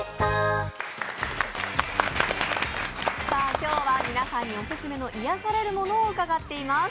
今日は皆さんにオススメの癒やされるものを伺っています。